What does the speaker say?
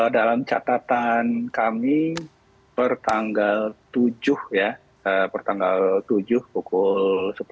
dalam catatan kami per tanggal tujuh ya pertanggal tujuh pukul sepuluh